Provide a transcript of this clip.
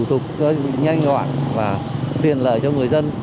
thủ tục nhanh gọn và tiền lợi cho người dân